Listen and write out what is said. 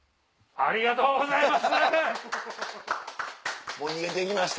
ありがとうございます。